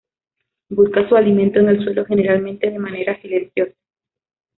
Busca su alimento en el suelo, generalmente de manera silenciosa.